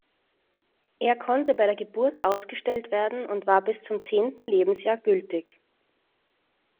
Er konnte bei der Geburt ausgestellt werden und war bis zum zehnten Lebensjahr gültig.